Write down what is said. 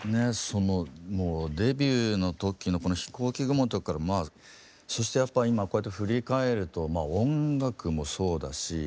そのもうデビューの時のこの「ひこうき雲」の時からそしてやっぱ今こうやって振り返ると音楽もそうだし